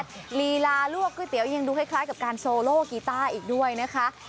ลีลาลวกก๋วยเตี๋ยวยังดูคล้ายกับการโซโลกีต้าอีกด้วยนะคะ